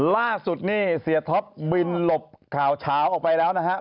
ล่าสุดนี่เสียท็อปบินหลบข่าวเฉาออกไปแล้วนะฮะ